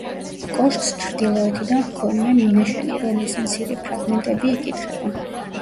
კოშკს ჩრდილოეთიდან ჰქონია მინაშენი, რომლის მცირე ფრაგმენტები იკითხება.